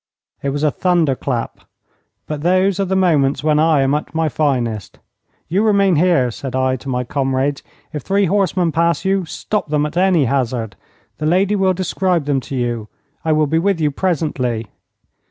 It was a thunder clap. But those are the moments when I am at my finest. 'You remain here,' said I, to my comrades. 'If three horsemen pass you, stop them at any hazard. The lady will describe them to you. I will be with you presently.'